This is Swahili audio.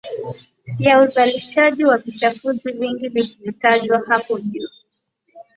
ya uzalishaji wa vichafuzi vingi vilivyotajwa hapo juu